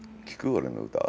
俺の歌。